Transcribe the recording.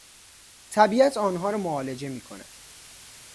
طبیعت آنها را معالجه می کند